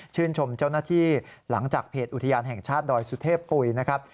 ชมเจ้าหน้าที่หลังจากเพจอุทยานแห่งชาติดอยสุเทพปุ๋ยนะครับ